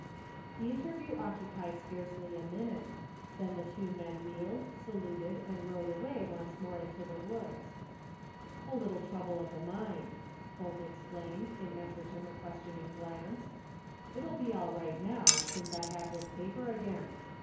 The interview occupied scarcely a minute ; then the two men wheeled, saluted, and rode away once more into the woods. " A little trouble at the mine,'' Holt explained, in answer to her questioning glance. " It'll be all right now, since I .have this paper again.